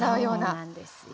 そうなんですよ。